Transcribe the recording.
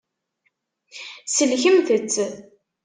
Sellkemt-t.